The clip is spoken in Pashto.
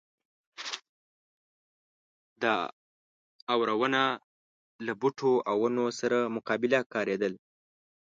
دا اورونه له بوټو او ونو سره مقابله کې کارېدل.